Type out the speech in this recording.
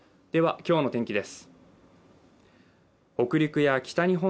今日の天気です。